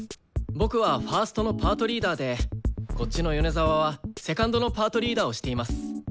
僕はファーストのパートリーダーでこっちの米沢はセカンドのパートリーダーをしています。